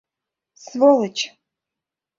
Сволыч!